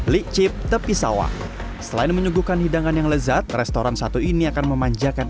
liq chip tepi sawah selain menyuguhkan hidangan yang lezat restoran satu ini akan memanjakan